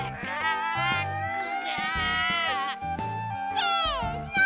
せの！